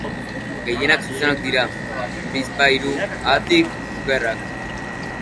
Gehienak zuzenak dira, bizpahiru, haatik, okerrak.